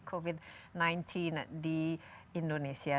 covid sembilan belas di indonesia